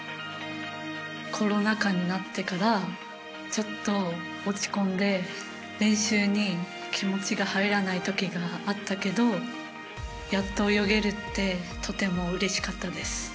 コロナ禍になってからちょっと落ち込んで練習に気持ちが入らないときがあったけどやっと泳げるってとてもうれしかったです。